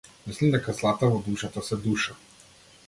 Мислам дека злата во душата се душа.